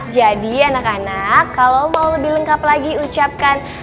jadi anak anak kalau mau lebih lengkap lagi ucapkan